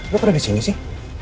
lo kenapa disini sih